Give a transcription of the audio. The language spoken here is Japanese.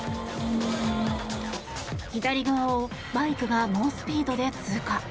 左側をバイクが猛スピードで通過。